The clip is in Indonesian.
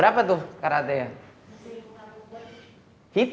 siapkan b convention ukeni bagaimana rasanyaanden sore ke environment